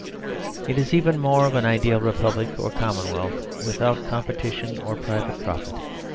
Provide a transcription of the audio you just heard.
It is even more of an ideal republic, or commonwealth without competition or private profit.